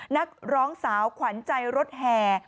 นักร้องสาวขวัญใจรถแห่